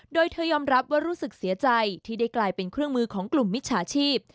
โดยเธอยอมรับว่ารู้สึกเสียใจที่ได้กลายเป็นเครื่องมือของกลุ่มมิจฉาชีพ